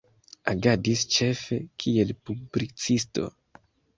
Agadis, ĉefe, kiel publicisto.